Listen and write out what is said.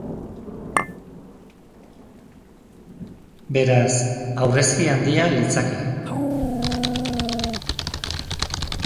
Beraz, aurrezki handia litzake.